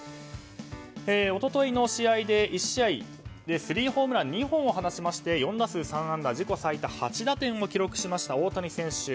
一昨日の試合で１試合でスリーランホームランを放ちまして、４打数３安打自己最多８打点を記録しました大谷選手